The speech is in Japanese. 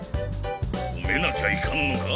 ホメなきゃいかんのか？